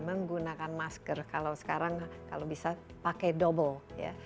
menggunakan masker kalau sekarang kalau bisa pakai double ya